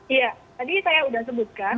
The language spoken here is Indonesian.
iya tadi saya sudah sebutkan